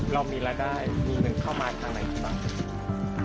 เรามีรายได้มีเงินเข้ามาทางไหนขนาดนี้